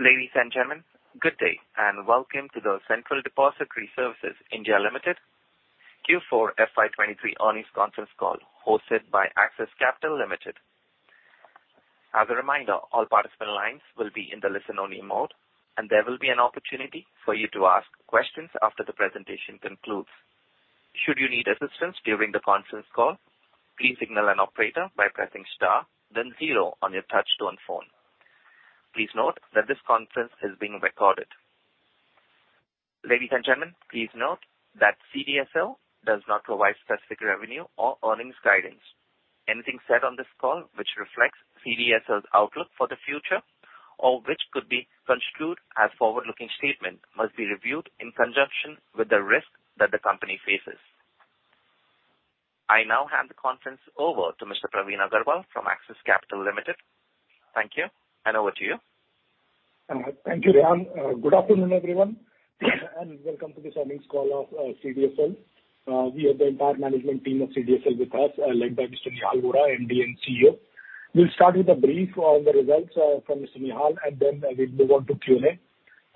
Ladies and gentlemen, good day, welcome to the Central Depository Services India Limited Q4 FY 2023 earnings conference call hosted by Axis Capital Limited. As a reminder, all participant lines will be in the listen only mode, and there will be an opportunity for you to ask questions after the presentation concludes. Should you need assistance during the conference call, please signal an operator by pressing star then 0 on your touchtone phone. Please note that this conference is being recorded. Ladies and gentlemen, please note that CDSL does not provide specific revenue or earnings guidance. Anything said on this call which reflects CDSL's outlook for the future or which could be construed as forward-looking statement must be reviewed in conjunction with the risk that the company faces. I now hand the conference over to Mr. Praveen Agarwal from Axis Capital Limited. Thank you, over to you. Thank you, Rian. Good afternoon, everyone, and welcome to this earnings call of CDSL. We have the entire management team of CDSL with us, led by Mr. Nehal Vora, MD and CEO. We'll start with a brief on the results from Mr. Nehal, and then we'll move on to Q&A.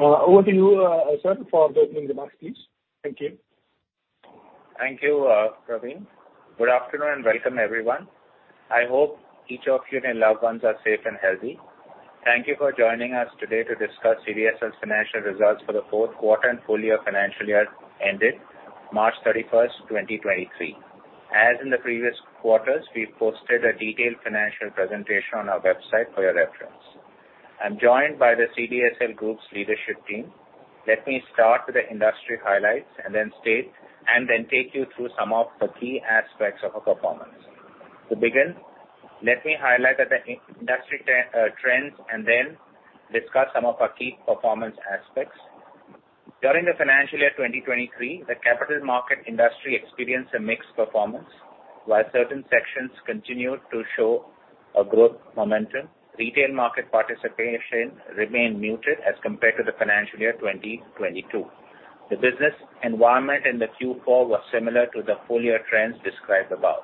Over to you, sir, for opening remarks, please. Thank you. Thank you, Praveen. Good afternoon. Welcome, everyone. I hope each of you and your loved ones are safe and healthy. Thank you for joining us today to discuss CDSL's financial results for the fourth quarter and full year financial year ended March 31st, 2023. As in the previous quarters, we've posted a detailed financial presentation on our website for your reference. I'm joined by the CDSL group's leadership team. Let me start with the industry highlights and then take you through some of the key aspects of our performance. To begin, let me highlight the in-industry trends and then discuss some of our key performance aspects. During the financial year 2023, the capital market industry experienced a mixed performance. While certain sections continued to show a growth momentum, retail market participation remained muted as compared to the financial year 2022. The business environment in the Q4 was similar to the full year trends described above.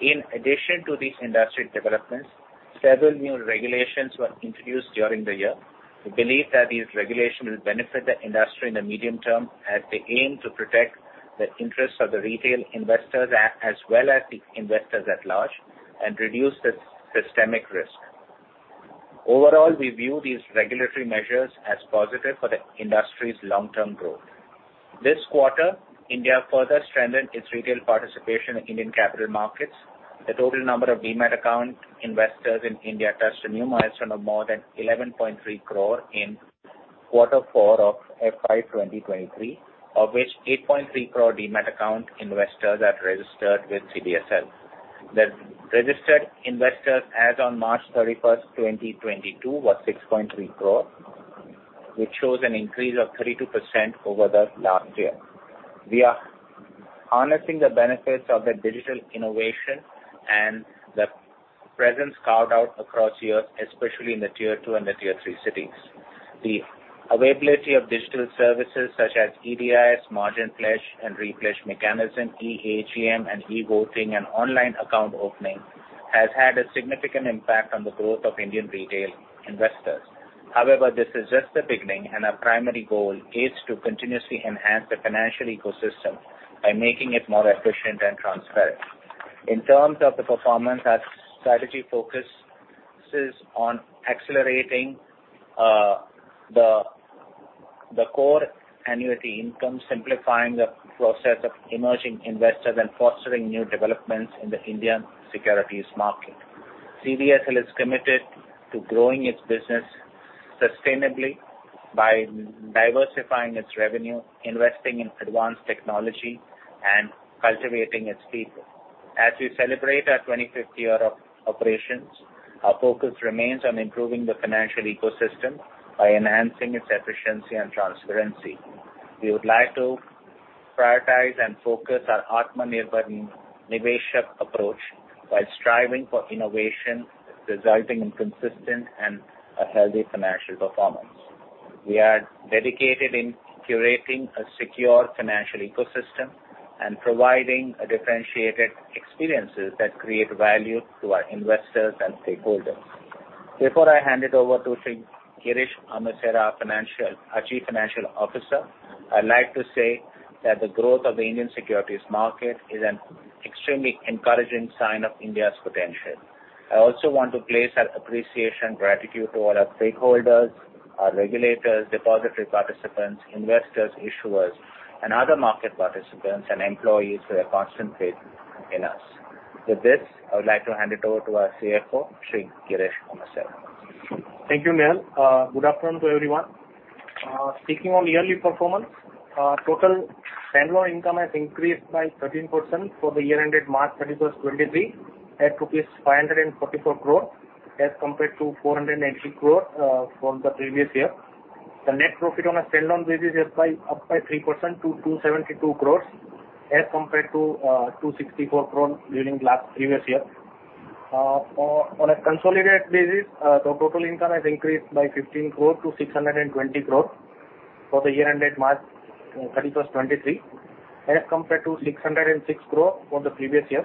In addition to these industrial developments, several new regulations were introduced during the year. We believe that these regulations will benefit the industry in the medium term, as they aim to protect the interests of the retail investors as well as the investors at large and reduce the systemic risk. Overall, we view these regulatory measures as positive for the industry's long-term growth. This quarter, India further strengthened its retail participation in Indian capital markets. The total number of Demat account investors in India touched a new milestone of more than 11.3 crore in quarter four of FY 2023. Of which 8.3 crore Demat account investors are registered with CDSL. The registered investors as on March 31st, 2022 was 6.3 crore, which shows an increase of 32% over the last year. We are harnessing the benefits of the digital innovation and the presence carved out across years, especially in the tier two and the tier three cities. The availability of digital services such as EDIS, margin pledge and repledge mechanism, EAGM and e-Voting and online account opening has had a significant impact on the growth of Indian retail investors. This is just the beginning, and our primary goal is to continuously enhance the financial ecosystem by making it more efficient and transparent. In terms of the performance, our strategy focus is on accelerating the core annuity income, simplifying the process of emerging investors and fostering new developments in the Indian securities market. CDSL is committed to growing its business sustainably by diversifying its revenue, investing in advanced technology and cultivating its people. As we celebrate our 25th year of operations, our focus remains on improving the financial ecosystem by enhancing its efficiency and transparency. We would like to prioritize and focus our Atmanirbhar Niveshak approach by striving for innovation, resulting in consistent and a healthy financial performance. We are dedicated in curating a secure financial ecosystem and providing a differentiated experiences that create value to our investors and stakeholders. Before I hand it over to Shri Girish Amachara, our Chief Financial Officer, I'd like to say that the growth of the Indian securities market is an extremely encouraging sign of India's potential. I also want to place our appreciation, gratitude to all our stakeholders, our regulators, depository participants, investors, issuers and other market participants and employees for their constant faith in us. With this, I would like to hand it over to our CFO, Shri Girish Amachara. Thank you, Nehal. Good afternoon to everyone. Speaking on yearly performance, total standalone income has increased by 13% for the year ended March 31st, 2023 at rupees 544 crore as compared to 480 crore for the previous year. The net profit on a standalone basis is up by 3% to 272 crores as compared to 264 crore during last previous year. On a consolidated basis, the total income has increased by 15 crore to 620 crore. For the year ended March 31st, 2023, as compared to 606 crore for the previous year.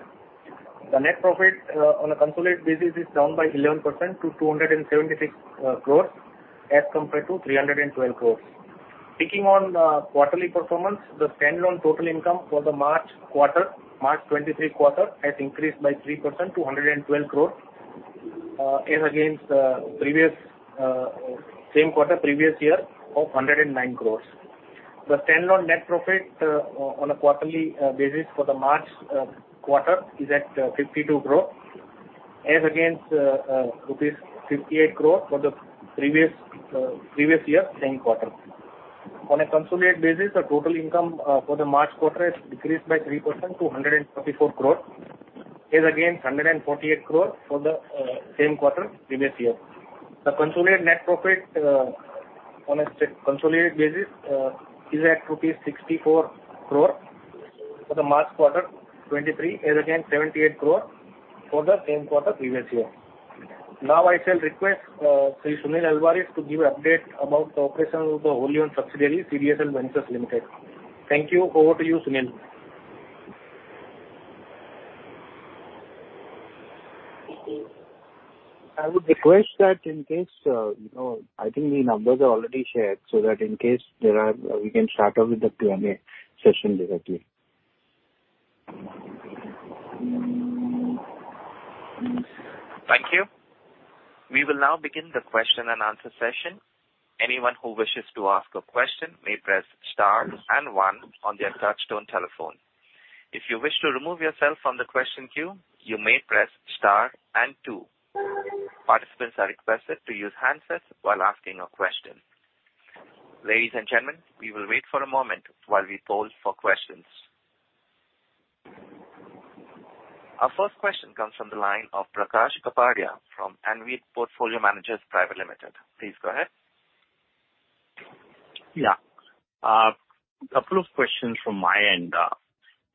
The net profit on a consolidated basis is down by 11% to 276 crores as compared to 312 crores. Speaking on the quarterly performance, the standalone total income for the March quarter, March 2023 quarter, has increased by 3% to 112 crore, as against the previous same quarter previous year of 109 crore. The standalone net profit on a quarterly basis for the March quarter is at 52 crore as against rupees 58 crore for the previous year, same quarter. On a consolidated basis, the total income for the March quarter has decreased by 3% to 144 crore as against 148 crore for the same quarter previous year. The consolidated net profit on a consolidated basis is at rupees 64 crore for the March 2023 quarter as against 78 crore for the same quarter previous year. Now I shall request, Sri Sunil Alvares to give update about the operations of the wholly-owned subsidiary, CDSL Ventures Limited. Thank you. Over to you, Sunil. I would request that in case, you know, I think the numbers are already shared. We can start off with the Q&A session directly. Thank you. We will now begin the question and answer session. Anyone who wishes to ask a question may press star and one on their touch-tone telephone. If you wish to remove yourself from the question queue, you may press star and two. Participants are requested to use handsets while asking a question. Ladies and gentlemen, we will wait for a moment while we poll for questions. Our first question comes from the line of Prakash Kapadia from Anived Portfolio Managers Private Limited. Please go ahead. Yeah. A couple of questions from my end.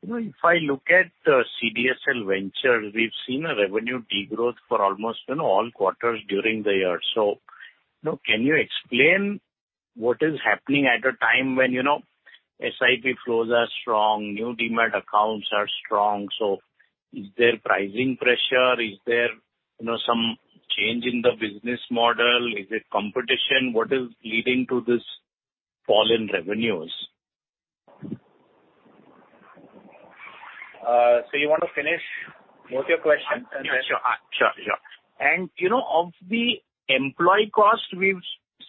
You know, if I look at the CDSL Ventures, we've seen a revenue degrowth for almost, you know, all quarters during the year. You know, can you explain what is happening at a time when, you know, SIP flows are strong, new Demat accounts are strong? Is there pricing pressure? Is there, you know, some change in the business model? Is it competition? What is leading to this fall in revenues? You want to finish with your question and then- Sure. Sure, sure. You know, of the employee cost, we've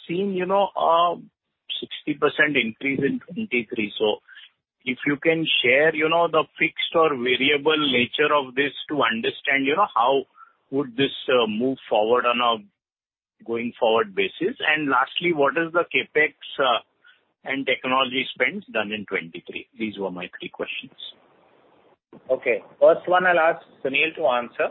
seen, you know, a 60% increase in 2023. If you can share, you know, the fixed or variable nature of this to understand, you know, how would this move forward on a going forward basis. Lastly, what is the CapEx and technology spends done in 2023? These were my three questions. Okay. First one I'll ask Sunil to answer.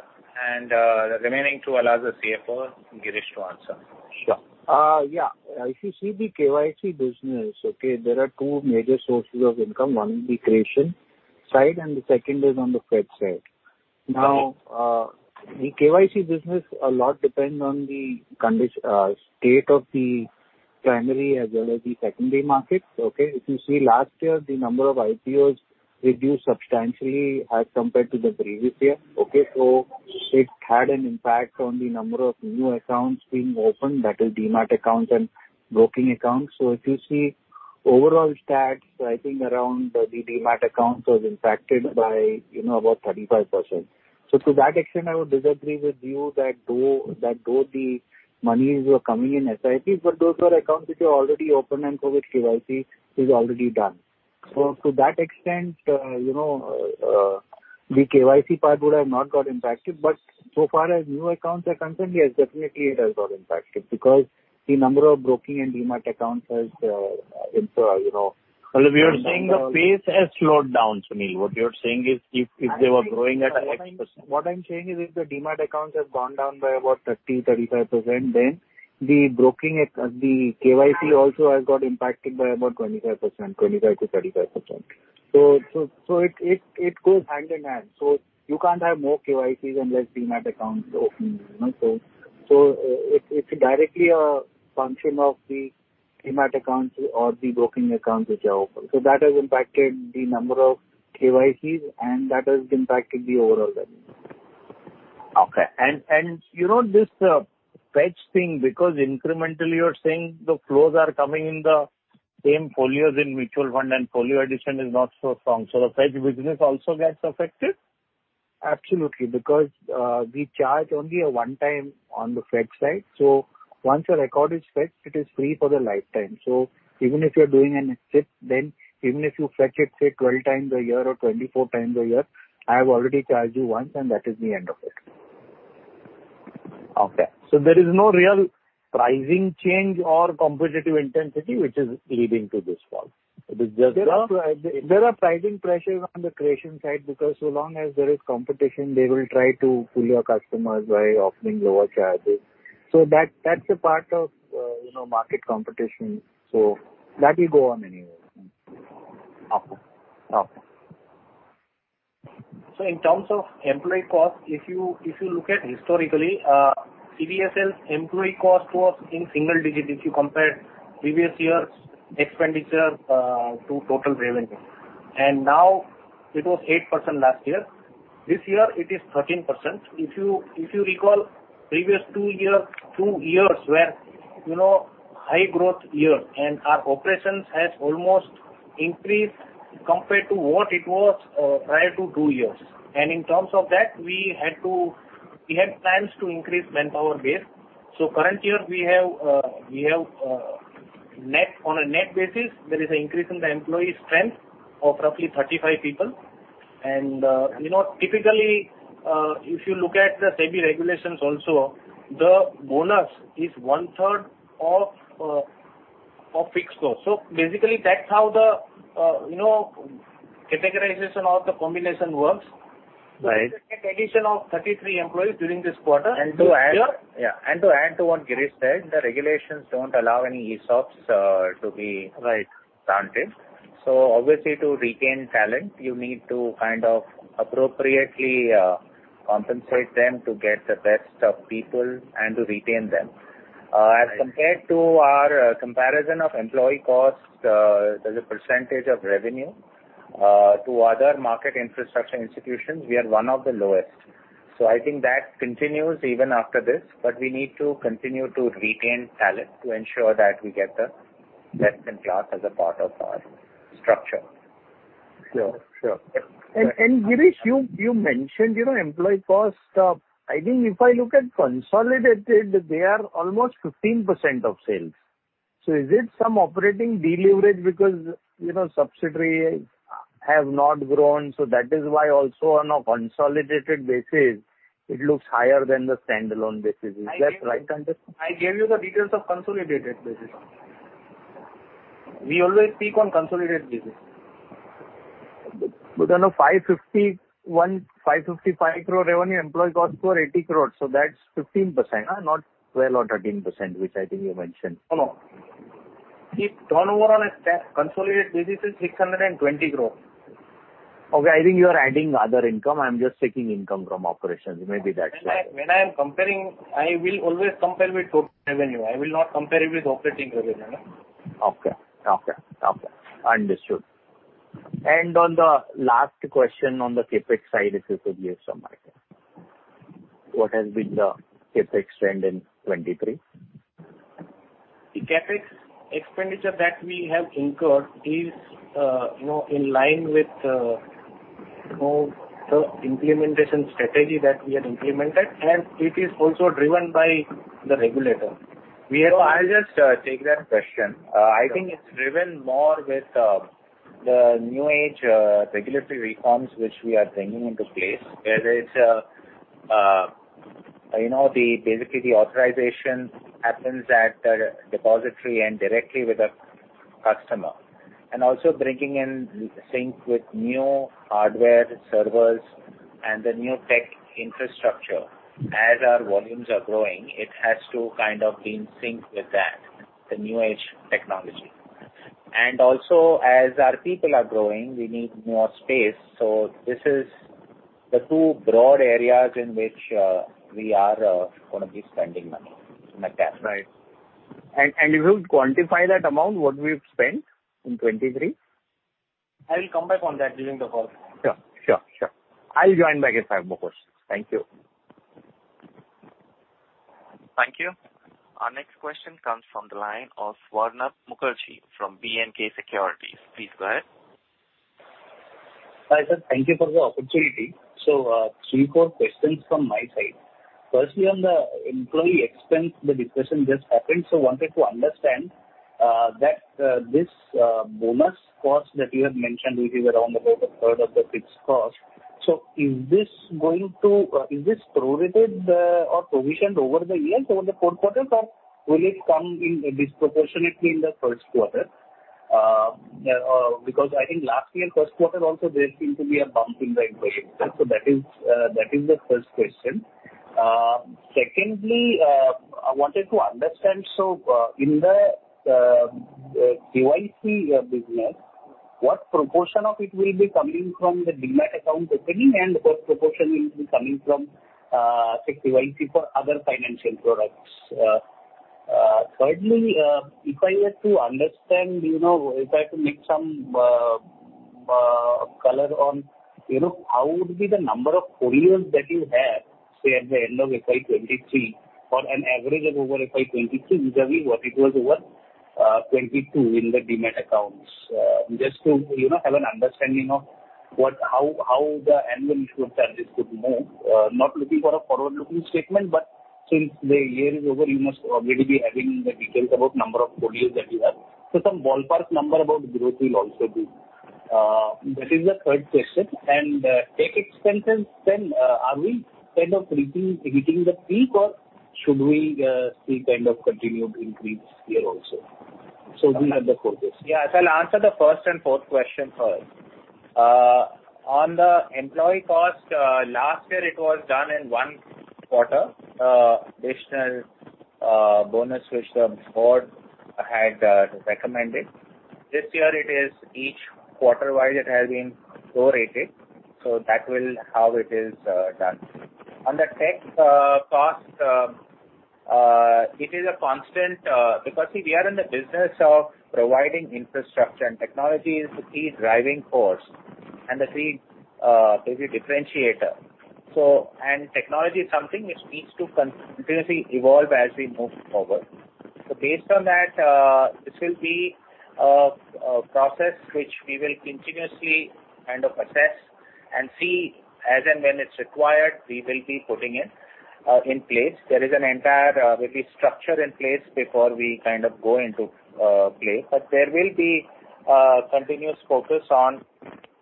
The remaining two I'll ask the CFO, Girish, to answer. Sure. Yeah. If you see the KYC business, okay, there are two major sources of income. One is the creation side and the second is on the fetch side. Okay. The KYC business a lot depends on the state of the primary as well as the secondary markets. Okay? If you see last year, the number of IPOs reduced substantially as compared to the previous year. Okay? It had an impact on the number of new accounts being opened, that is Demat accounts and broking accounts. If you see overall stats, I think around the Demat accounts was impacted by, you know, about 35%. To that extent, I would disagree with you that though the monies were coming in SIP, but those were accounts which were already open and for which KYC is already done. To that extent, you know, the KYC part would have not got impacted. So far as new accounts are concerned, yes, definitely it has got impacted because the number of broking and Demat accounts has, you know. Well, we are saying the pace has slowed down, Sunil. What you're saying is if they were growing at a X%- What I'm saying is if the Demat accounts have gone down by about 30%-35%, then the KYC also has got impacted by about 25%, 25%-35%. It goes hand in hand. You can't have more KYCs unless Demat accounts open, you know. It's directly a function of the Demat accounts or the broking accounts which are open. That has impacted the number of KYCs and that has impacted the overall revenue. Okay. You know this, fetch thing because incrementally you're saying the flows are coming in the same folios in mutual fund and folio addition is not so strong, the fetch business also gets affected? Absolutely. We charge only a one-time on the fetch side. Once a record is fetched, it is free for the lifetime. Even if you're doing an SIP even if you fetch it, say, 12 times a year or 24 times a year, I have already charged you once and that is the end of it. Okay. There is no real pricing change or competitive intensity which is leading to this fall. It is just. There are pricing pressures on the creation side because so long as there is competition, they will try to pull your customers by offering lower charges. That, that's a part of, you know, market competition. That will go on anyway. Okay. Okay. In terms of employee cost, if you look at historically, CDSL employee cost was in single digit, if you compare previous years' expenditure to total revenue. Now it was 8% last year. This year it is 13%. If you recall previous two years were, you know, high growth year, our operations has almost increased compared to what it was prior to two years. In terms of that, we had plans to increase manpower base. Current year we have on a net basis, there is an increase in the employee strength of roughly 35 people. You know, typically, if you look at the SEBI regulations also, the bonus is 1/3 of fixed cost. Basically, that's how the, you know, categorization or the combination works. Right. Net addition of 33 employees during this quarter. to add- This year. Yeah. To add to what Girish said, the regulations don't allow any ESOPs... Right. granted. Obviously, to retain talent, you need to kind of appropriately compensate them to get the best of people and to retain them. Right. As compared to our comparison of employee cost, as a percentage of revenue, to other Market Infrastructure Institutions, we are one of the lowest. I think that continues even after this. We need to continue to retain talent to ensure that we get the best in class as a part of our structure. Sure, sure. Yeah. Girish, you mentioned, you know, employee cost. I think if I look at consolidated, they are almost 15% of sales. Is it some operating deleverage because, you know, subsidiary have not grown, so that is why also on a consolidated basis it looks higher than the standalone basis. Is that right understood? I gave you the details of consolidated basis. We always speak on consolidated basis. On a INR 551 crore, INR 555 crore revenue, employee costs were 80 crore, that's 15%, huh? Not 12% or 13%, which I think you mentioned. No, no. Its turnover on a consolidated basis is 620 crore. Okay. I think you are adding other income. I'm just taking income from operations. Maybe that's why. When I am comparing, I will always compare with total revenue. I will not compare it with operating revenue. Okay. Okay. Okay. Understood. On the last question on the CapEx side, if you could give some idea. What has been the CapEx trend in 2023? The CapEx expenditure that we have incurred is, you know, in line with, you know, the implementation strategy that we had implemented, and it is also driven by the regulator. I'll just take that question. I think it's driven more with the new-age regulatory reforms which we are bringing into place. Where there is, you know, basically the authorization happens at the depository end directly with the customer. Also bringing in sync with new hardware servers and the new tech infrastructure. As our volumes are growing, it has to kind of be in sync with that, the new-age technology. Also as our people are growing, we need more space. This is the two broad areas in which we are gonna be spending money in the cash. Right. If you quantify that amount, what we've spent in 2023? I will come back on that during the call. Sure. Sure. Sure. I'll join back if I have more questions. Thank you. Thank you. Our next question comes from the line of Swarnab Mukherjee from B&K Securities. Please go ahead. Hi, sir. Thank you for the opportunity. Three, four questions from my side. Firstly, on the employee expense, the discussion just happened, wanted to understand that this bonus cost that you have mentioned which is around about 1/3 of the fixed cost. Is this going to, is this prorated or provisioned over the years, over the fourth quarter, or will it come in disproportionately in the first quarter? Because I think last year first quarter also there seemed to be a bump in the employee expense. That is the first question. Secondly, I wanted to understand, so in the KYC business, what proportion of it will be coming from the Demat account opening, and what proportion will be coming from, say KYC for other financial products? Thirdly, if I had to understand, you know, if I have to make some color on, you know, how would be the number of folios that you have, say at the end of FY 23 or an average of over FY 23, which I mean what it was over 22 in the Demat accounts. Just to, you know, have an understanding of what, how the annual issue of charges could move. Not looking for a forward-looking statement, but since the year is over, you must already be having the details about number of folios that you have. Some ballpark number about growth will also do. That is the third question. Tech expenses then, are we kind of reaching, hitting the peak, or should we see kind of continued increase here also? These are the four questions. Yeah. I shall answer the first and fourth question first. On the employee cost, last year it was done in one quarter, additional bonus which the board had recommended. This year it is each quarter wise it has been pro-rated, that will how it is done. On the tech cost, it is a constant, because, see, we are in the business of providing infrastructure, technology is the key driving force and the key basically differentiator. Technology is something which needs to continuously evolve as we move forward. Based on that, this will be a process which we will continuously kind of assess and see as, and when it's required, we will be putting it in place. There is an entire maybe structure in place before we kind of go into play. But there will be continuous focus on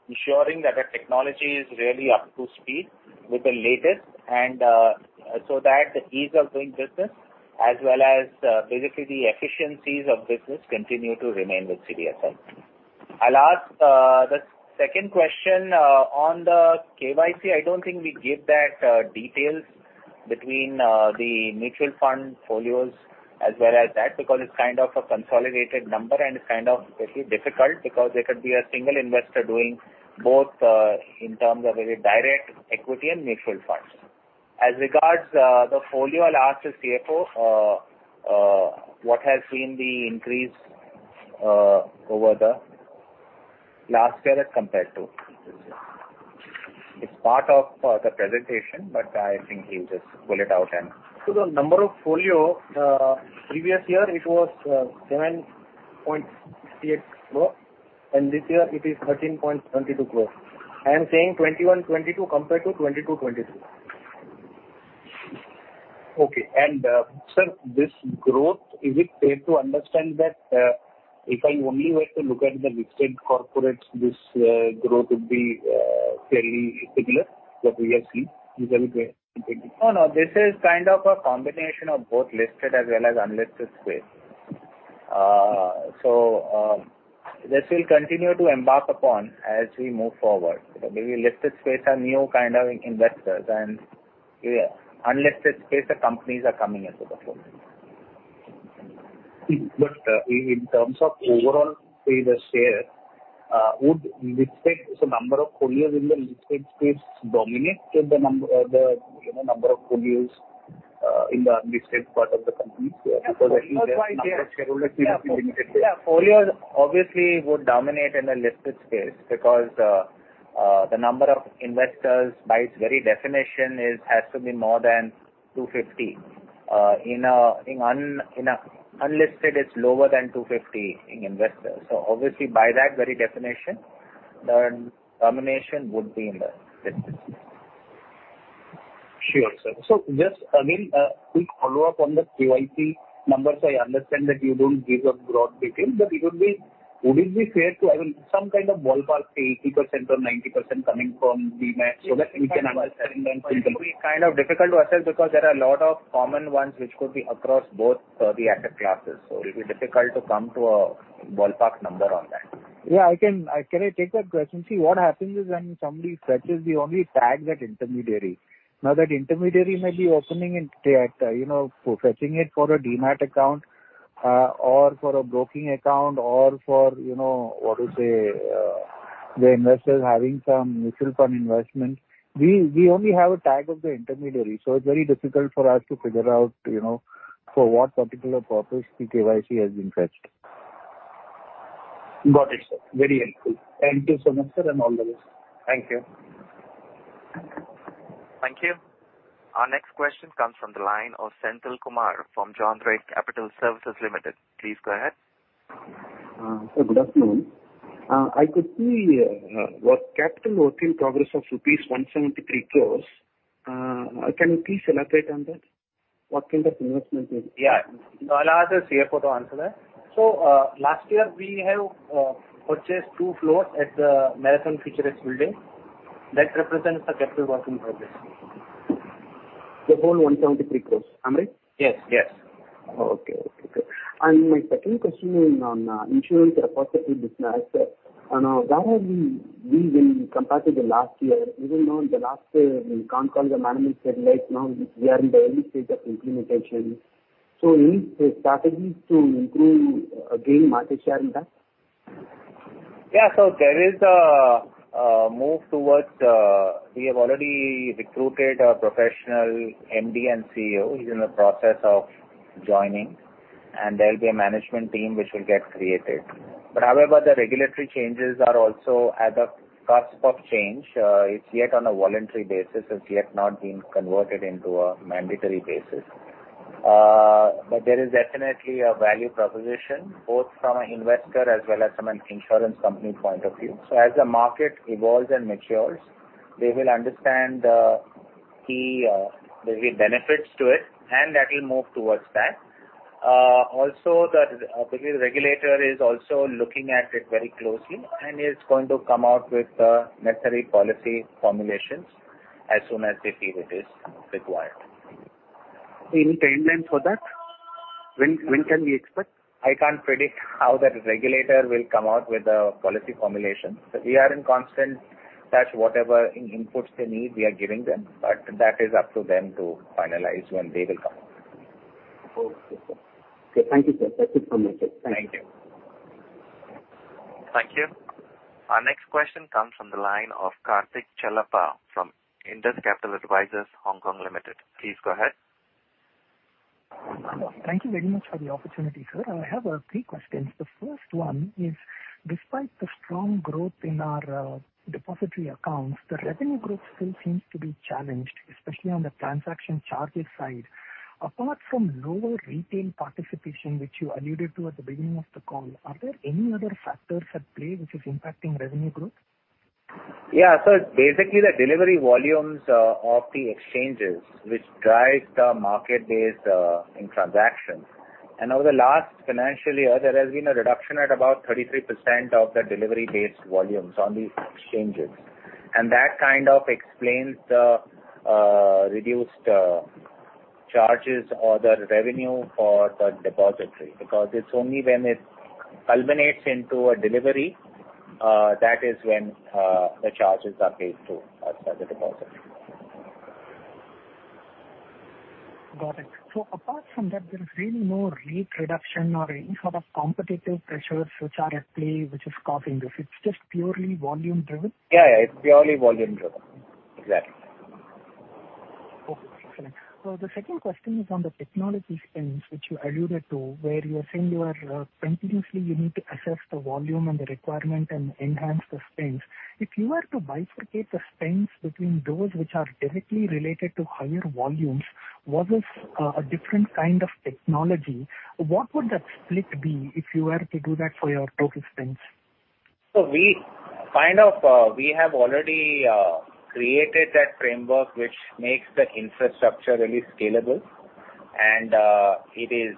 ensuring that the technology is really up to speed with the latest and so that the ease of doing business as well as basically the efficiencies of business continue to remain with CDSL. I'll ask the second question on the KYC. I don't think we gave that details between the mutual fund folios as well as that, because it's kind of a consolidated number, and it's kind of basically difficult because there could be a single investor doing both in terms of a direct equity and mutual funds. As regards the folio, I'll ask the CFO what has been the increase over the last year as compared to this year. It's part of the presentation, but I think he'll just pull it out and. The number of folio, previous year it was, 7.68 crore, and this year it is 13.22 crore. I am saying 2021-2022 compared to 2022-2023. Okay. Sir, this growth, is it fair to understand that, if I only were to look at the listed corporates, this growth would be, fairly similar to previously? Is that fair? No, no. This is kind of a combination of both listed as well as unlisted space. This we'll continue to embark upon as we move forward. Maybe listed space are new kind of investors and, yeah, unlisted space, the companies are coming into the fold. In terms of overall, say, the share, number of folios in the listed space dominate the, you know, number of folios in the unlisted part of the company here? Because at least that's the number of shareholders. Yeah. Folios obviously would dominate in the listed space because the number of investors by its very definition has to be more than 250. In a unlisted, it's lower than 250 investors. Obviously by that very definition, the domination would be in the listed space. Sure, sir. Just again, quick follow-up on the KYC numbers. I understand that you don't give out growth details, but Would it be fair to, I mean, some kind of ballpark, say, 80% or 90% coming from Demat so that we can understand. It will be kind of difficult to assess because there are a lot of common ones which could be across both, the asset classes. It'll be difficult to come to a ballpark number on that. Can I take that question? What happens is when somebody fetches, we only tag that intermediary. That intermediary may be opening in direct, you know, fetching it for a Demat account, or for a broking account or for, you know, what do you say, the investors having some mutual fund investment. We only have a tag of the intermediary, so it's very difficult for us to figure out, you know, for what particular purpose the KYC has been fetched. Got it, sir. Very helpful. To Somanath, sir, and all the best. Thank you. Thank you. Our next question comes from the line of Senthil Kumar from Joindre Capital Services Limited. Please go ahead. Sir, good afternoon. I could see what capital work in progress of rupees 173 crores. Can you please elaborate on that? What kind of investment is it? Yeah. I'll ask the CFO to answer that. Last year we have purchased two floors at the Marathon Futurex building. That represents the capital work in progress. The whole 173 crores, Amrit? Yes. Yes. Okay. Okay, good. My second question is on Insurance Repositories business. Now where are we when compared to the last year, even though in the last con call the management said, like, now we are in the early stage of implementation. Any strategies to improve gain market share in that? Yeah. There is a move towards. We have already recruited a professional MD and CEO. He's in the process of joining, and there'll be a management team which will get created. However, the regulatory changes are also at the cusp of change. It's yet on a voluntary basis. It's yet not been converted into a mandatory basis. There is definitely a value proposition both from an investor as well as from an insurance company point of view. As the market evolves and matures, they will understand the key, basically benefits to it, and that will move towards that. Also the, basically the regulator is also looking at it very closely, and is going to come out with the necessary policy formulations as soon as they feel it is required. Any timeline for that? When can we expect? I can't predict how the regulator will come out with the policy formulation. We are in constantThat whatever inputs they need, we are giving them. That is up to them to finalize when they will come out. Okay. Okay. Thank you, sir. That's it from my side. Thank you. Thank you. Thank you. Our next question comes from the line of Karthik Chellappa from Indus Capital Advisors (Hong Kong) Limited. Please go ahead. Hello. Thank you very much for the opportunity, sir. I have three questions. The first one is, despite the strong growth in our depository accounts, the revenue growth still seems to be challenged, especially on the transaction charges side. Apart from lower retail participation, which you alluded to at the beginning of the call, are there any other factors at play which is impacting revenue growth? Yeah. Basically the delivery volumes, of the exchanges, which drives the market-based, in transactions. Over the last financial year, there has been a reduction at about 33% of the delivery-based volumes on these exchanges. That kind of explains the reduced charges or the revenue for the depository because it's only when it culminates into a delivery, that is when the charges are paid to us as a depository. Got it. Apart from that, there is really no rate reduction or any sort of competitive pressures which are at play which is causing this. It's just purely volume driven? Yeah, yeah. It's purely volume driven. Exactly. Okay. Excellent. The second question is on the technology spends which you alluded to, where you're saying you are continuously you need to assess the volume and the requirement and enhance the spends. If you were to bifurcate the spends between those which are directly related to higher volumes versus a different kind of technology, what would that split be if you were to do that for your total spends? We kind of, we have already created that framework which makes the infrastructure really scalable. It is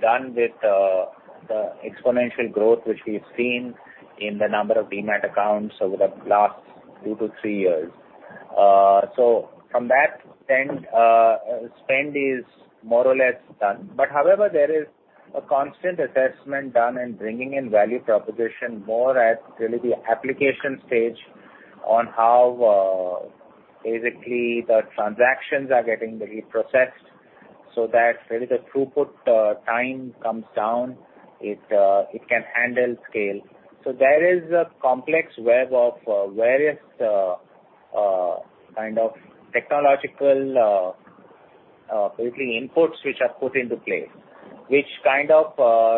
done with the exponential growth which we've seen in the number of Demat accounts over the last two to three years. So from that spend is more or less done. However, there is a constant assessment done and bringing in value proposition more at really the application stage on how basically the transactions are getting reprocessed so that really the throughput time comes down. It can handle scale. There is a complex web of various kind of technological basically inputs which are put into place, which kind of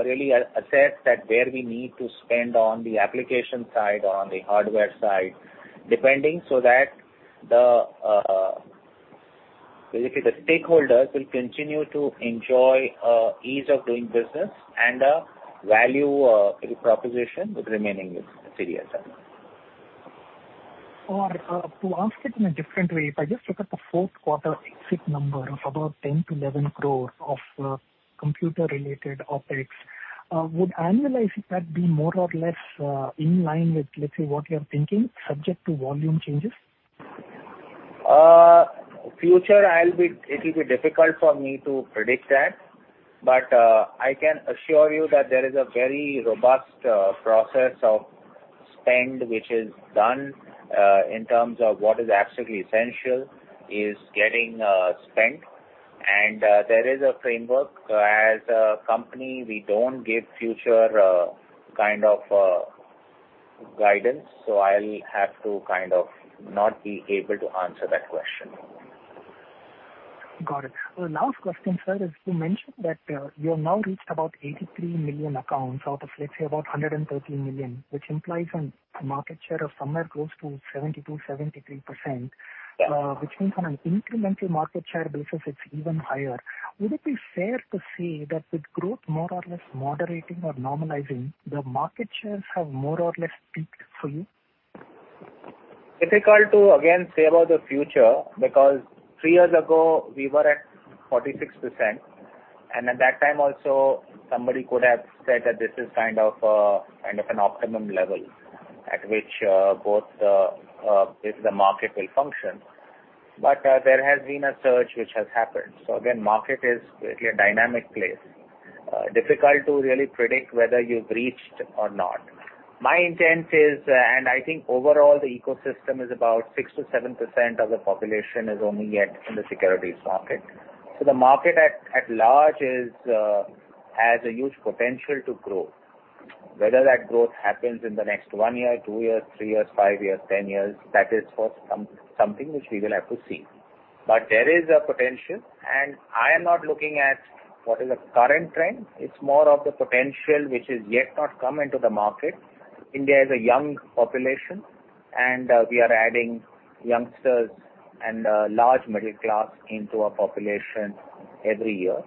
really assess that where we need to spend on the application side, on the hardware side, depending so that the basically the stakeholders will continue to enjoy ease of doing business and a value really proposition remaining with CDSL. To ask it in a different way, if I just look at the fourth quarter exit number of about 10-11 crore of computer-related OpEx, would annualizing that be more or less in line with, let's say, what you're thinking subject to volume changes? Future, it'll be difficult for me to predict that. I can assure you that there is a very robust process of spend which is done in terms of what is absolutely essential is getting spent. There is a framework. As a company, we don't give future kind of guidance. I'll have to kind of not be able to answer that question. Got it. The last question, sir, is you mentioned that you have now reached about 83 million accounts out of, let's say, about 113 million, which implies a market share of somewhere close to 72%-73%. Yeah. Which means on an incremental market share basis, it's even higher. Would it be fair to say that with growth more or less moderating or normalizing, the market shares have more or less peaked for you? Difficult to again say about the future, because three years ago we were at 46%, and at that time also somebody could have said that this is kind of, kind of an optimum level at which, both, basically the market will function. There has been a surge which has happened. Again, market is really a dynamic place. Difficult to really predict whether you've reached or not. My intent is, and I think overall the ecosystem is about 6%-7% of the population is only yet in the securities market. The market at large is, has a huge potential to grow. Whether that growth happens in the next one year, two years, three years, five years, 10 years, that is for something which we will have to see. There is a potential, and I am not looking at what is the current trend. It's more of the potential which is yet not come into the market. India is a young population, we are adding youngsters and a large middle class into our population every year.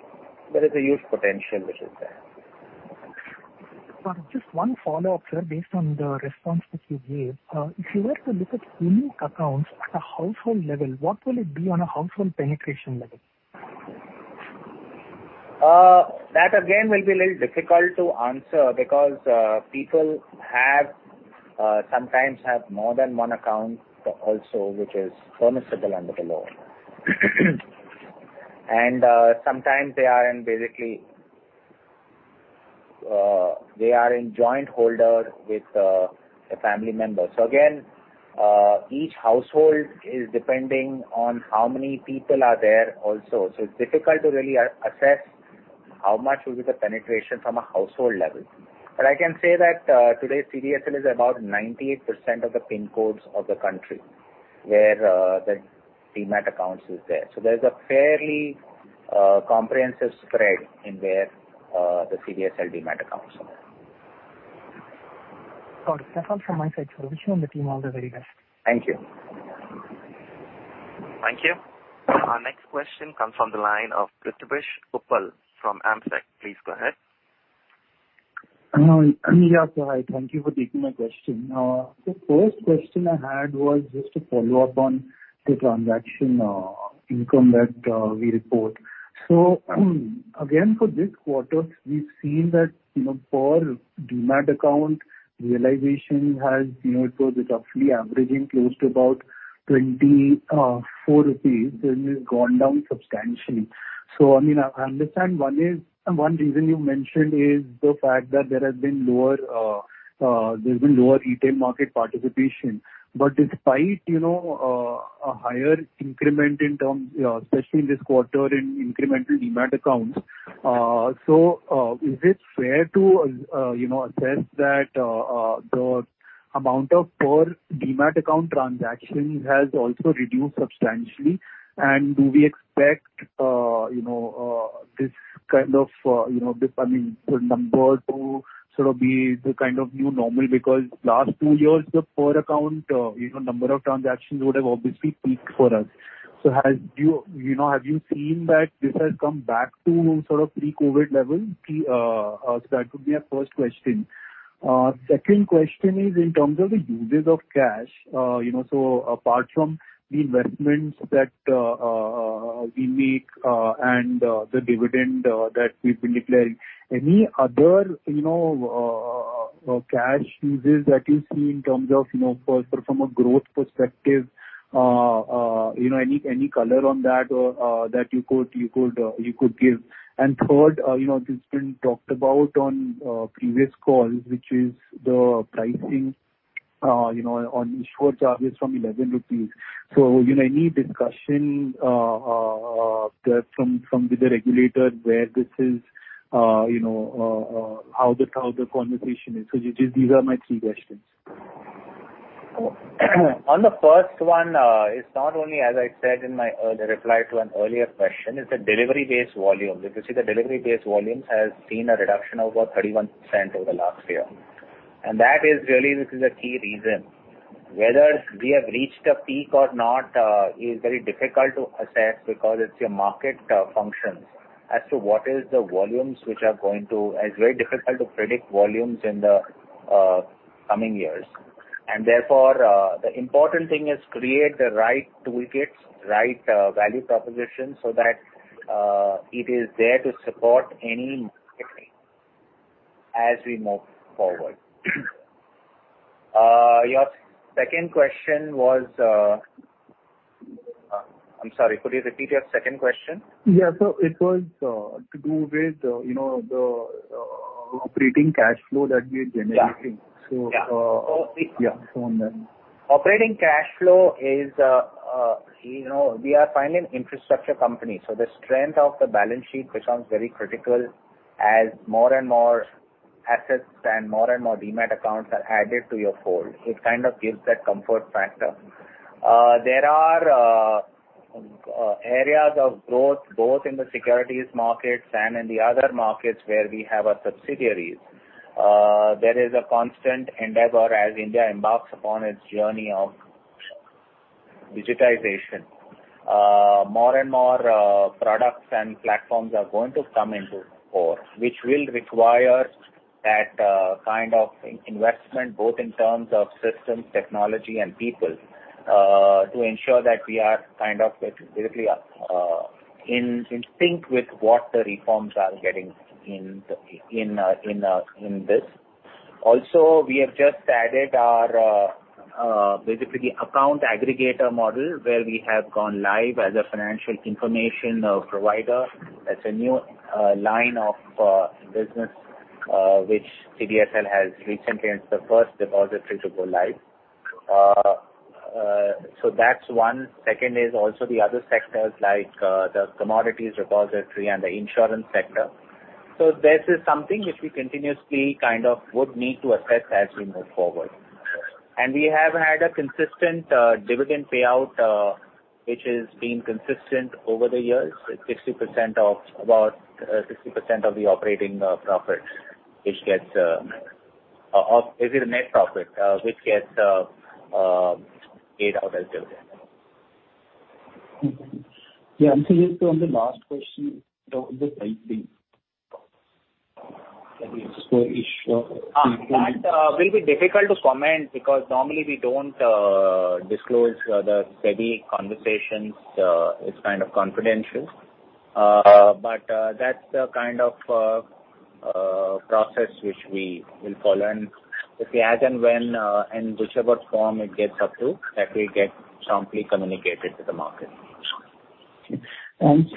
There is a huge potential which is there. Just one follow-up, sir, based on the response which you gave. If you were to look at unique accounts at a household level, what will it be on a household penetration level? That again will be a little difficult to answer because people have sometimes have more than one account also, which is permissible under the law. Sometimes they are in basically-they are in joint holder with a family member. Again, each household is depending on how many people are there also. It's difficult to really assess how much will be the penetration from a household level. I can say that today CDSL is about 98% of the PIN codes of the country where the Demat accounts is there. There's a fairly comprehensive spread in where the CDSL Demat accounts are. Got it. That's all from my side. Wishing you and the team all the very best. Thank you. Thank you. Our next question comes from the line of Prithibesh Uppal from AMSEC. Please go ahead. Yeah, sir. Thank you for taking my question. The first question I had was just to follow up on the transaction income that we report. Again, for this quarter, we've seen that, you know, per Demat account realization has, you know, it was roughly averaging close to about 24 rupees, then it has gone down substantially. I mean, I understand one reason you mentioned is the fact that there has been lower re-tail market participation. Despite, you know, a higher increment in terms, especially in this quarter in incremental Demat accounts, is it fair to, you know, assess that the amount of per Demat account transactions has also reduced substantially? Do we expect, you know, this kind of, you know, this, I mean, the number to sort of be the kind of new normal? Because last two years, the per account, you know, number of transactions would have obviously peaked for us. So do you know, have you seen that this has come back to sort of pre-COVID level? So that would be our first question. Second question is in terms of the uses of cash. Uh, you know, so apart from the investments that, uh, uh, we make, and, the dividend, that we've been declaring, any other, you know, cash uses that you see in terms of, you know, for, for from a growth perspective, you know, any, any color on that or, that you could, you could, you could give? And third, you know, this been talked about on previous calls, which is the pricing, you know, on issuer charges from 11 rupees. So, you know, any discussion, the from, from the regulator where this is, you know, how the, how the conversation is? So just these are my three questions. On the first one, it's not only, as I said in my the reply to an earlier question, it's the delivery-based volume. If you see the delivery-based volumes has seen a reduction of about 31% over the last year. That is really, this is a key reason. Whether we have reached a peak or not, is very difficult to assess because it's your market, functions as to what is the volumes which are going to... It's very difficult to predict volumes in the coming years. Therefore, the important thing is create the right toolkits, right, value proposition so that, it is there to support any as we move forward. Your second question was, I'm sorry. Could you repeat your second question? Yeah. It was to do with, you know, the operating cash flow that we are generating. Yeah. So, uh- Yeah. Yeah. On that. Operating cash flow is, you know, we are finally an infrastructure company, so the strength of the balance sheet becomes very critical as more and more assets and more and more Demat accounts are added to your fold. It kind of gives that comfort factor. There are areas of growth both in the securities markets and in the other markets where we have our subsidiaries. There is a constant endeavor as India embarks upon its journey of digitization. More and more products and platforms are going to come into fore, which will require that kind of in-investment both in terms of systems, technology, and people, to ensure that we are kind of basically in sync with what the reforms are getting in this. We have just added our basically account aggregator model where we have gone live as a financial information provider. That's a new line of business which CDSL has recently and it's the first depository to go live. That's one. Second is also the other sectors like the commodities repository and the insurance sector. This is something which we continuously kind of would need to assess as we move forward. We have had a consistent dividend payout which has been consistent over the years. It's 60% of about 60% of the operating profits which gets or is it a net profit which gets paid out as dividend. Okay. Yeah. Just on the last question, the pricing That will be difficult to comment because normally we don't disclose the SEBI conversations. It's kind of confidential. That's the kind of process which we will follow. If we as and when, and whichever form it gets up to, that will get promptly communicated to the market. Okay.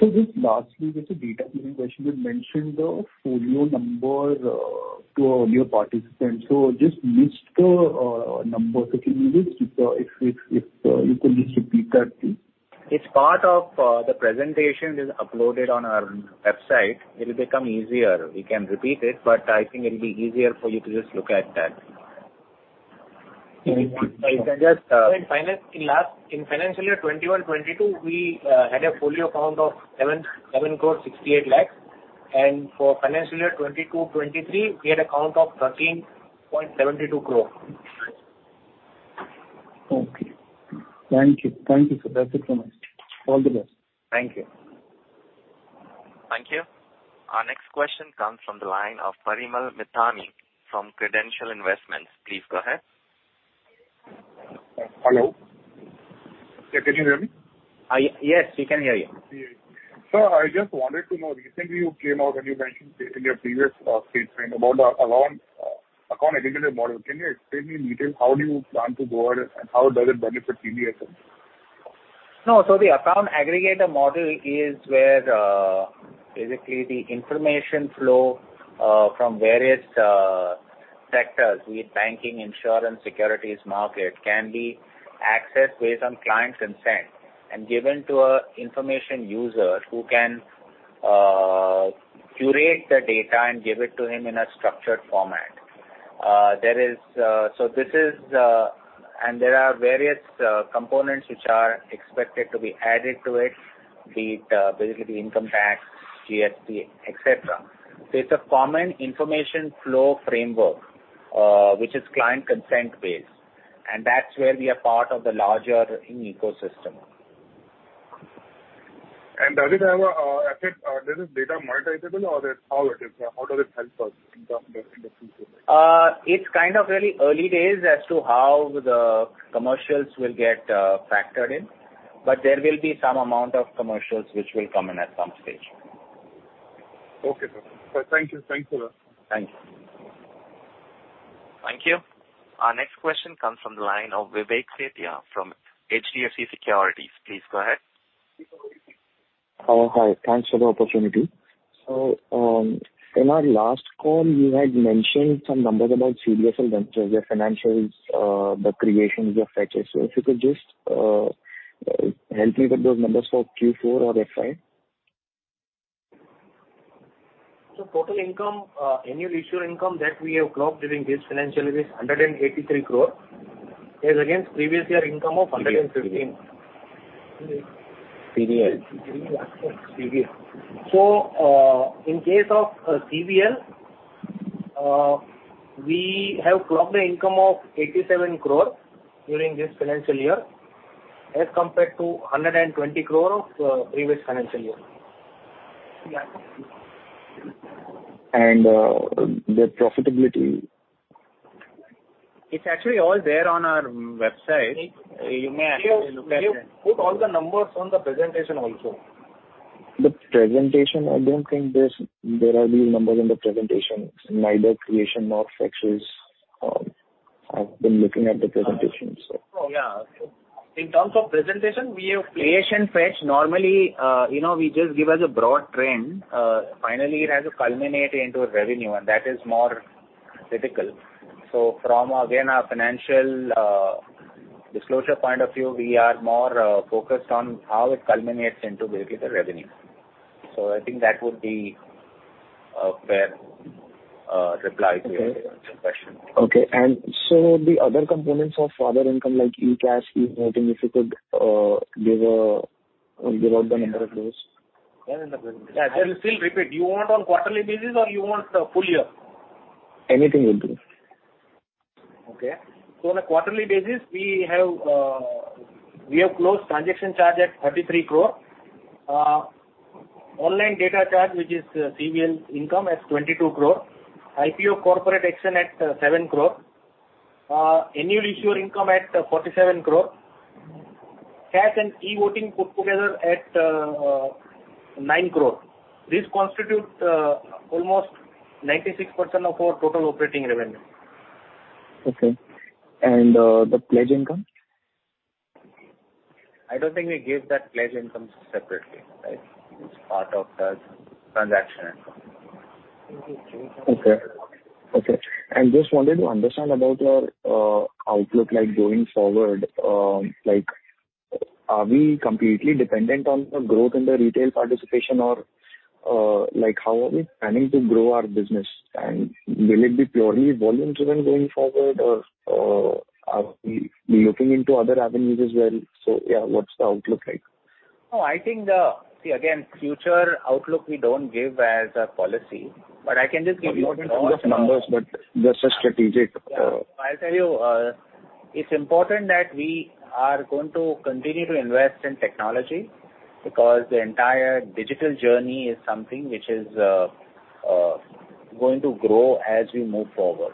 Just lastly, just a data question. You mentioned the folio number to earlier participants. Just missed the number. Can you just, if you could just repeat that, please. It's part of the presentation is uploaded on our website. It will become easier. We can repeat it, but I think it'll be easier for you to just look at that. Okay. If you want, I can just. In financial year 2021-2022, we had a folio count of 7.68 crore. For financial year 2022-2023, we had a count of 13.72 crore. Okay. Thank you. Thank you, sir. That's it from us. All the best. Thank you. Thank you. Our next question comes from the line of Parimal Mithani from Credential Investments. Please go ahead. Hello? Yeah, can you hear me? Yes, we can hear you. Yeah. I just wanted to know, recently you came out and you mentioned in your previous statement about the account aggregator model. Can you explain in detail how do you plan to go ahead and how does it benefit CDSL? No, the account aggregator model is where basically the information flow from various sectors, be it banking, insurance, securities market, can be accessed based on client's consent and given to a information user who can curate the data and give it to him in a structured format. There are various components which are expected to be added to it, be it basically the income tax, GST, et cetera. It's a common information flow framework which is client consent-based, and that's where we are part of the larger ecosystem. Does it have a effect? This is data monetizable or how it is? How does it help us in the future? It's kind of really early days as to how the commercials will get factored in, but there will be some amount of commercials which will come in at some stage. Okay, sir. Thank you. Thanks a lot. Thank you. Thank you. Our next question comes from the line of Vivek Sethia from HDFC Securities. Please go ahead. Oh, hi. Thanks for the opportunity. In our last call, you had mentioned some numbers about CDSL Ventures, their financials, the creations, the fetches. If you could just help me with those numbers for Q4 or FY? Total income, annual issuer income that we have clocked during this financial year is 183 crore as against previous year income of 115. CDSL. CDSL. Okay, CDSL. In case of CVL, we have clocked the income of 87 crore during this financial year as compared to 120 crore of previous financial year. The profitability? It's actually all there on our website. You may actually look at it. We have put all the numbers on the presentation also. The presentation, I don't think there are these numbers in the presentation, neither creation nor fetches. I've been looking at the presentation, so. Yeah. In terms of presentation, we have creation fetch. Normally, you know, we just give as a broad trend. Finally it has to culminate into revenue. That is more typical. From, again, a financial disclosure point of view, we are more focused on how it culminates into basically the revenue. I think that would be a fair reply to your question. Okay. The other components of other income like eCAS, e-voting, if you could give out the number of those. There in the presentation. I will still repeat. Do you want on quarterly basis or you want full year? Anything will do. On a quarterly basis, we have, we have closed transaction charge at 33 crore. Online data charge, which is CVL income, at 22 crore. IPO corporate action at 7 crore. Annual issuer income at 47 crore. Cash and e-voting put together at 9 crore. This constitute almost 96% of our total operating revenue. Okay. The pledge income? I don't think we give that pledge income separately, right? It's part of the transaction income. Okay. Okay. Just wanted to understand about your outlook, like going forward. Like, are we completely dependent on the growth in the retail participation or, like, how are we planning to grow our business? Will it be purely volume-driven going forward or, are we looking into other avenues as well? Yeah, what's the outlook like? No, I think. See, again, future outlook we don't give as a policy, but I can just give. Not in terms of numbers, but just a strategic. Yeah. I'll tell you, it's important that we are going to continue to invest in technology because the entire digital journey is something which is going to grow as we move forward.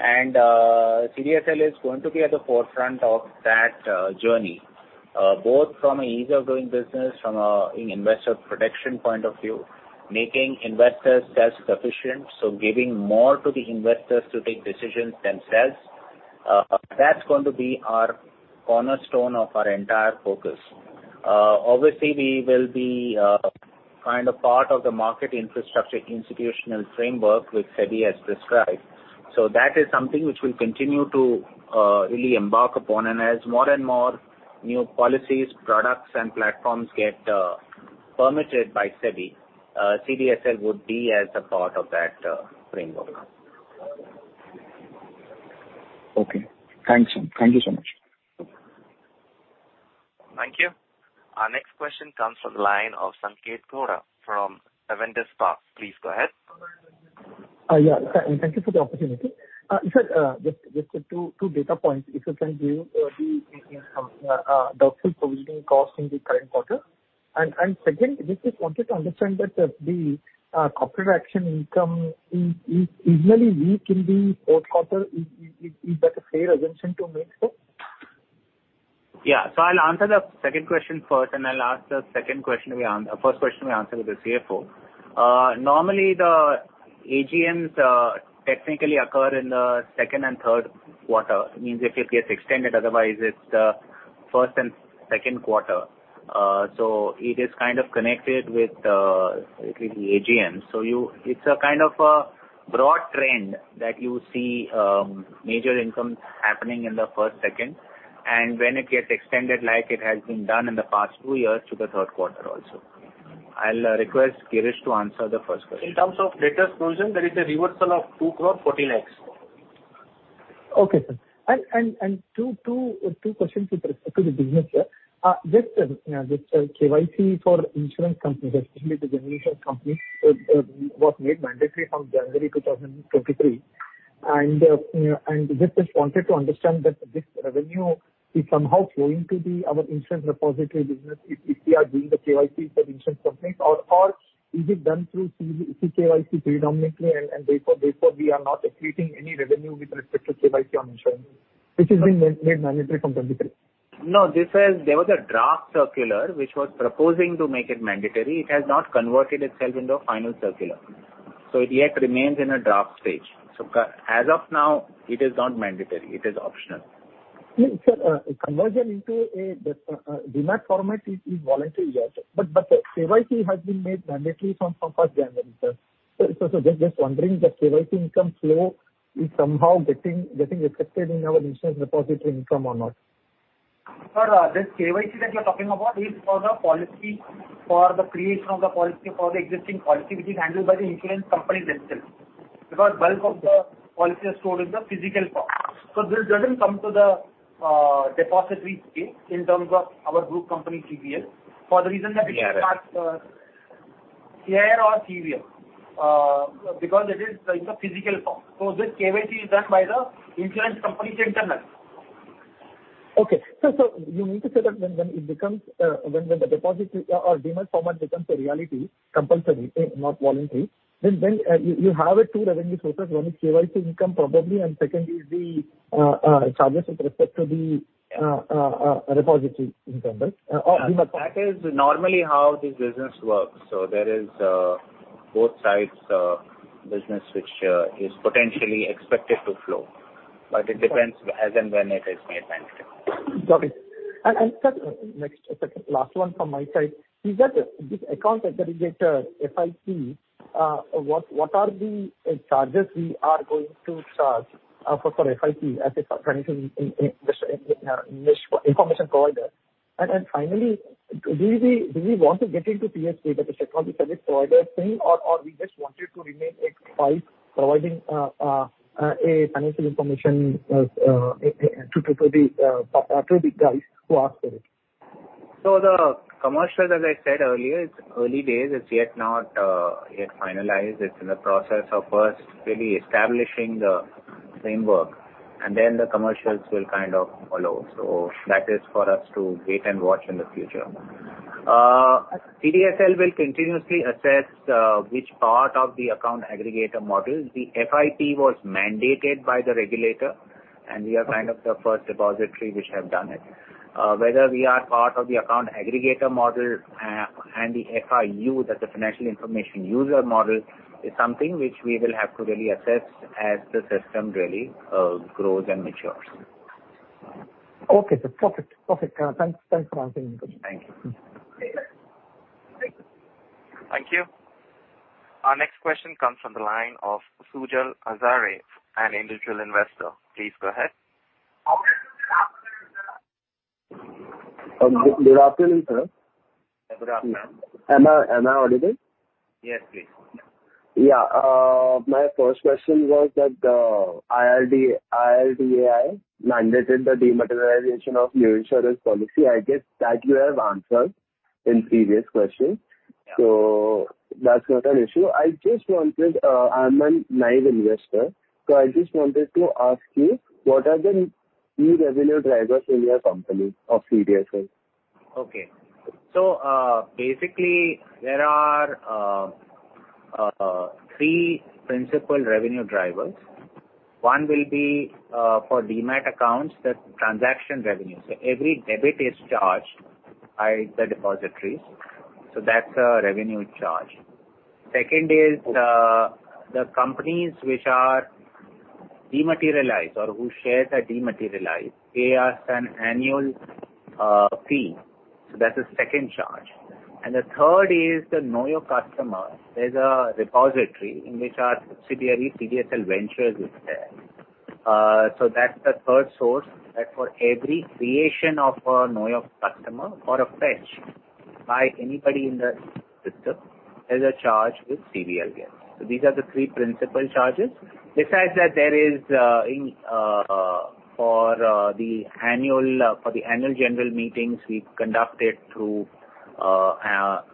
CDSL is going to be at the forefront of that journey, both from a ease of doing business, from a investor protection point of view, making investors self-sufficient, so giving more to the investors to take decisions themselves. That's going to be our cornerstone of our entire focus. Obviously we will be kind of part of the Market Infrastructure institutional framework which SEBI has prescribed. That is something which we'll continue to really embark upon. As more and more new policies, products, and platforms get permitted by SEBI, CDSL would be as a part of that framework. Okay. Thanks. Thank you so much. Thank you. Our next question comes from the line of Sanket Ghoda from Avendus Spark. Please go ahead. Yeah. Thank you for the opportunity. Sir, just two data points if you can give the ops providing cost in the current quarter. Second, just we wanted to understand that the corporate action income is usually weak in the fourth quarter. Is that a fair assumption to make, sir? I'll answer the second question first, and I'll ask the second question to be first question will be answered by the CFO. Normally the AGMs technically occur in the second and third quarter. It means if it gets extended, otherwise it's the first and second quarter. It is kind of connected with, it will be AGM. It's a kind of a broad trend that you see major income happening in the first, second, and when it gets extended like it has been done in the past two years to the third quarter also. I'll request Girish to answer the first question. In terms of data solution, there is a reversal of 2.14 crore. Okay, sir. Two questions with respect to the business here. Just KYC for insurance companies, especially the general insurance companies, was made mandatory from January 2023. You know, we just wanted to understand that this revenue is somehow flowing to the our insurance repository business if we are doing the KYC for insurance companies or is it done through CKYC predominantly and therefore we are not accreting any revenue with respect to KYC on insurance, which is being made mandatory from 23. No, there was a draft circular which was proposing to make it mandatory. It has not converted itself into a final circular, so it yet remains in a draft stage. As of now it is not mandatory, it is optional. No, sir, conversion into Demat format is voluntary, yes. The KYC has been made mandatory from first January, sir. Just wondering, the KYC income flow is somehow getting affected in our insurance repository income or not? Sir, this KYC that you're talking about is for the policy, for the creation of the policy, for the existing policy, which is handled by the insurance companies themselves. Bulk of the policy is stored in the physical form. This doesn't come to the depository space in terms of our group company CDSL for the reason that. Yeah, right. it is part, CL or CVM, because it is, it's a physical form. This KYC is done by the insurance companies internal. Okay. You mean to say that when the depository or Demat format becomes a reality, compulsory, not voluntary, then you have two revenue sources, one is KYC income probably, and second is the repository in terms or Demat? That is normally how this business works. There is both sides business which is potentially expected to flow. It depends as and when it is made mandatory. Got it. Sir, next, second, last one from my side. Is that this account aggregator, FIP, what are the charges we are going to charge for FIP as a financial in this information provider? Finally, do we want to get into PSA, that the secondary service provider thing or we just wanted to remain a FIP providing a financial information to the guys who ask for it? The commercials, as I said earlier, it's early days, it's yet not yet finalized. It's in the process of first really establishing the framework and then the commercials will kind of follow. That is for us to wait and watch in the future. CDSL will continuously assess which part of the account aggregator model. The FIP was mandated by the regulator, and we are kind of the first depository which have done it. Whether we are part of the account aggregator model, and the FIU, that the financial information user model, is something which we will have to really assess as the system really grows and matures. Okay, sir. Perfect. Perfect. Thanks. Thanks for answering the question. Thank you. Thank you. Our next question comes from the line of Sujal Azare, an Individual Investor. Please go ahead. Good afternoon, sir. Good afternoon. Am I audible? Yes, please. Yeah. My first question was that, IRDA, IRDAI mandated the dematerialization of new insurance policy. I guess that you have answered in previous question, so that's not an issue. I just wanted, I'm a naive investor, so I just wanted to ask you, what are the key revenue drivers in your company of CDSL? Okay. Basically there are three principal revenue drivers. One will be for Demat accounts, the transaction revenue. Every debit is charged by the depository, so that's a revenue charge. Second is the companies which are dematerialized or whose shares are dematerialized, they ask an annual fee. That's the second charge. The third is the Know Your Customer. There's a repository in which our subsidiary CDSL Ventures is there. That's the third source that for every creation of a Know Your Customer or a fetch by anybody in the system, there's a charge with CDSL there. These are the three principal charges. Besides that, there is for the annual general meetings we've conducted through our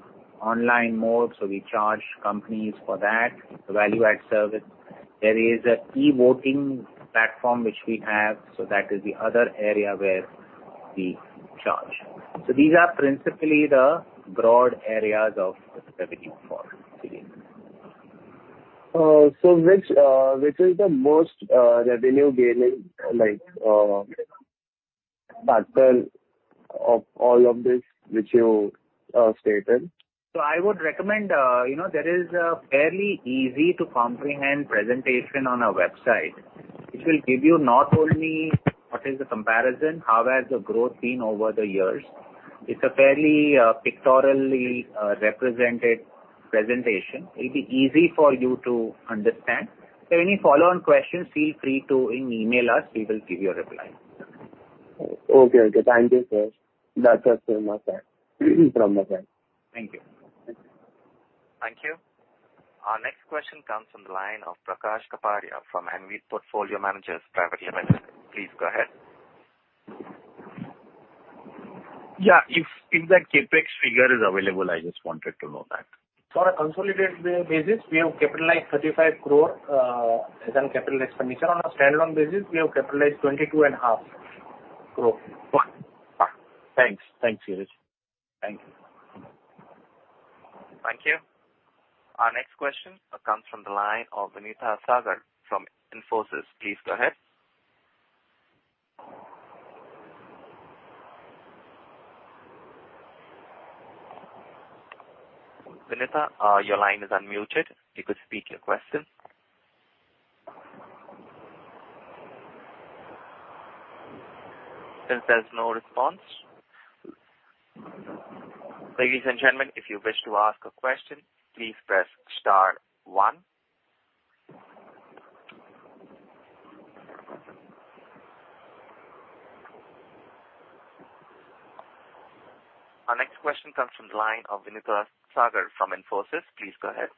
online mode, so we charge companies for that, the value-add service. There is a e-Voting platform which we have, so that is the other area where we charge. These are principally the broad areas of the revenue for CDSL. Which, which is the most revenue-giving, like, factor of all of this which you stated? I would recommend, you know, there is a fairly easy to comprehend presentation on our website, which will give you not only what is the comparison, how has the growth been over the years. It's a fairly, pictorially, represented presentation. It'll be easy for you to understand. Any follow-on questions, feel free to email us, we will give you a reply. Okay. Thank you, sir. That's it from my side. Thank you. Thank you. Our next question comes from the line of Prakash Kapadia from Anived Portfolio Managers Private Limited. Please go ahead. Yeah. If that CapEx figure is available, I just wanted to know that. For a consolidated basis, we have capitalized 35 crore, as an capital expenditure. On a standalone basis, we have capitalized 22.5 crore. Thanks. Thanks, Dheeraj. Thank you. Thank you. Our next question comes from the line of Vinitha Sagar from Infosys. Please go ahead. Vinitha, your line is unmuted. You could speak your question. Since there's no response... Ladies and gentlemen, if you wish to ask a question, please press star one. Our next question comes from the line of Vinitha Sagar from Infosys. Please go ahead.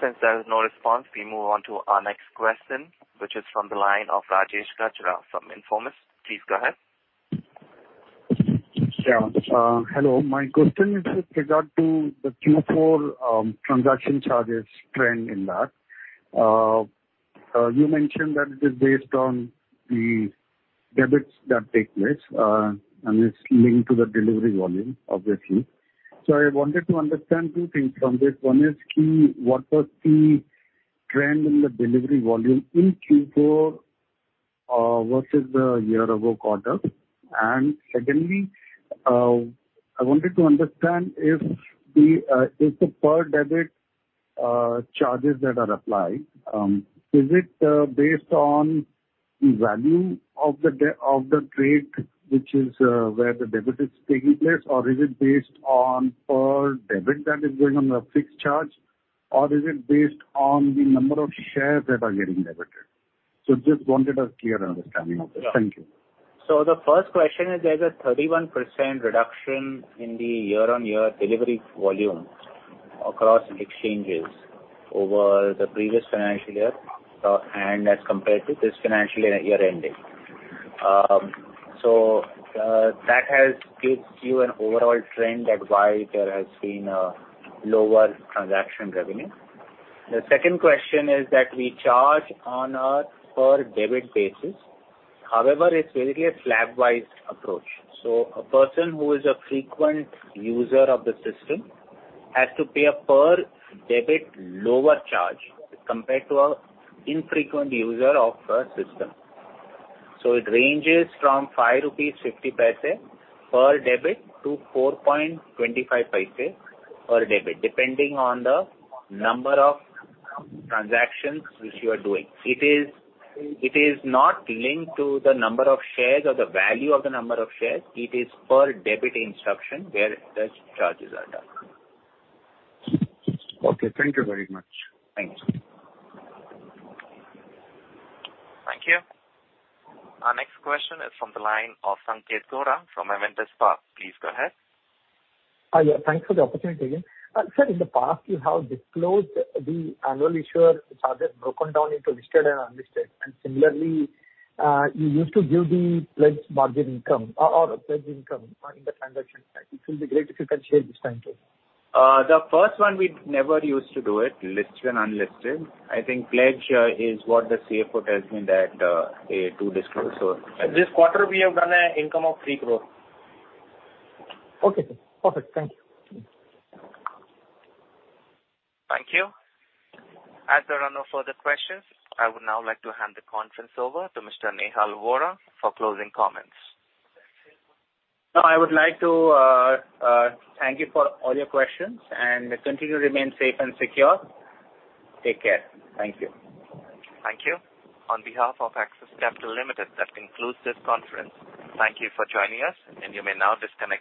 Since there is no response, we move on to our next question, which is from the line of Rajesh Kachara from Informus. Please go ahead. Yeah. Hello. My question is with regard to the Q4 transaction charges trend in that. You mentioned that it is based on the debits that take place and it's linked to the delivery volume, obviously. I wanted to understand 2 things from this. One is key, what was the trend in the delivery volume in Q4 versus the year-ago quarter? Secondly, I wanted to understand if the per debit charges that are applied is it based on the value of the trade, which is where the debit is taking place? Is it based on per debit that is going on a fixed charge? Is it based on the number of shares that are getting debited? Just wanted a clear understanding of this. Thank you. The first question is, there's a 31% reduction in the year-on-year delivery volume across exchanges over the previous financial year, and as compared to this financial year ending. That has gives you an overall trend that why there has been a lower transaction revenue. The second question is that we charge on a per debit basis. However, it's really a slab-wise approach. A person who is a frequent user of the system has to pay a per debit lower charge compared to a infrequent user of the system. It ranges from 5.50 rupees per debit to 4.25 per debit, depending on the number of transactions which you are doing. It is not linked to the number of shares or the value of the number of shares. It is per debit instruction where the charges are done. Okay. Thank you very much. Thanks. Thank you. Our next question is from the line of Sanketh Godha from Avendus Spark. Please go ahead. Yeah. Thanks for the opportunity again. Sir, in the past, you have disclosed the annual issuer charges broken down into listed and unlisted, similarly, you used to give the pledged margin income or pledge income in the transaction. It will be great if you can share this time too. The first one, we never used to do it, listed and unlisted. I think pledge is what the CFO tells me that, they do disclose. This quarter we have done a income of 3 crore. Okay, sir. Perfect. Thank you. Thank you. As there are no further questions, I would now like to hand the conference over to Mr. Nehal Vora for closing comments. I would like to thank you for all your questions and continue to remain safe and secure. Take care. Thank you. Thank you. On behalf of Axis Capital Limited, that concludes this conference. Thank you for joining us, and you may now disconnect.